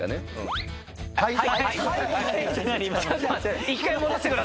「はい」？